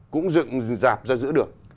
cũng dựng dạp ra giữa đường